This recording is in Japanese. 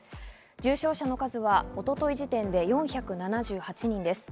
重症者の数は一昨日時点で４７８人です。